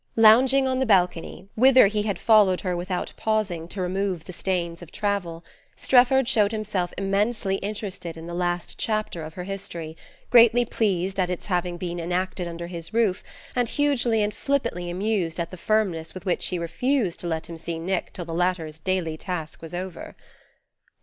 Lounging on the balcony, whither he had followed her without pausing to remove the stains of travel, Strefford showed himself immensely interested in the last chapter of her history, greatly pleased at its having been enacted under his roof, and hugely and flippantly amused at the firmness with which she refused to let him see Nick till the latter's daily task was over.